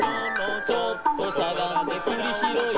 「ちょっとしゃがんでくりひろい」